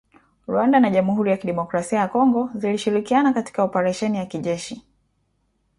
Rwanda na Jamhuri ya kidemokrasia ya Kongo zilishirikiana katika oparesheni ya kijeshi